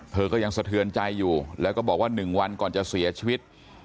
เธอก็ยังสะเทือนใจอยู่แล้วก็บอกว่า๑วันก่อนจะเสียชีวิต